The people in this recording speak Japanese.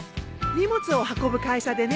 荷物を運ぶ会社でね。